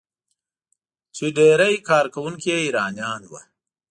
چې ډیری کارکونکي یې ایرانیان وو.